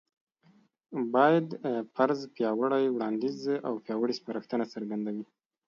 بايد: فرض، پياوړی وړانديځ او پياوړې سپارښتنه څرګندوي